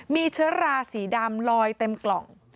มีเชื้อราสีดำลอยเต็มกล่อง